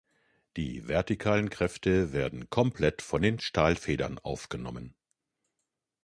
Die vertikalen Kräfte werden komplett von den Stahlfedern aufgenommen.